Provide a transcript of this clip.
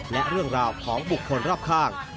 และเรื่องราวของบุคคลรอบข้าง